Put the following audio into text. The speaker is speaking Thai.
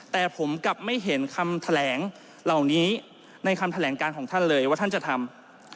แต่ผมกลับไม่เห็นคำแถลงเหล่านี้ในคำแถลงการของท่านเลยว่าท่านจะทำ